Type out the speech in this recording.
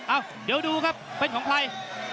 เอ้าเดี๋ยวดูครับเป็นของใคร